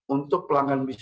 untuk pelanggan bisnis